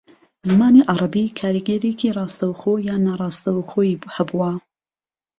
زمانی عەرەبی کاریگەرییەکی ڕاستەوخۆ یان ناڕاستەوخۆیی ھەبووە